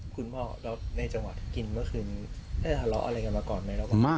คุณหมอแล้วในจังหวัดกินเมื่อคืนได้ทะเลาะอะไรกันมาก่อนไหม